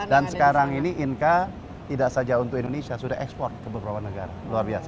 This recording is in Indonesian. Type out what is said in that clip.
dan sekarang ini inca tidak saja untuk indonesia sudah ekspor ke beberapa negara luar biasa